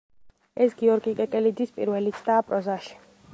ეს გიორგი კეკელიძის პირველი ცდაა პროზაში.